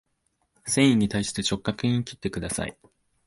繊維に対して直角に切ってください